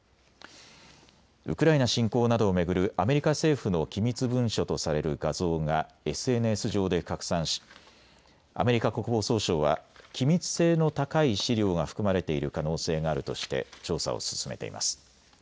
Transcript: ウクライナ侵攻などを巡るアメリカ政府の機密文書とされる画像がＳＮＳ上で拡散しアメリカ国防総省は機密性の高い資料が含まれている可能性があるとして調査を進めています。